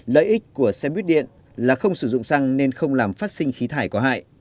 lợi ích của xe buýt điện là không sử dụng xăng nên không làm phát sinh khí thải có hại